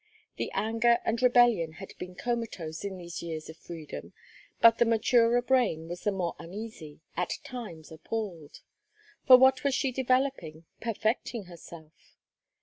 The anger and rebellion had been comatose in these years of freedom, but the maturer brain was the more uneasy, at times appalled. For what was she developing, perfecting herself?